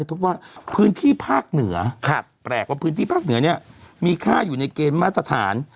เพราะว่าพื้นที่ภาคเหนือแปลกว่ามีค่าอยู่ในเกณฑ์มาตรฐาน